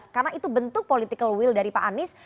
karena itu bentuk political will dari pak anies